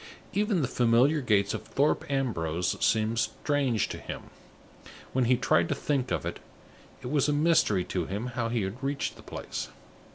Even the familiar gates of Thorpe Ambrose seemed strange to him. When he tried to think of it, it was a mystery to him how he had reached the place.